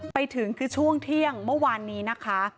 ไปถึงคือช่วงเที่ยงเมื่อวานนี้นะคะ